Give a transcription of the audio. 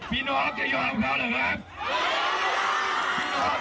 พี่น้องจะยอมเข้าหรือครับพี่น้องจะยอมเข้าหรือครับ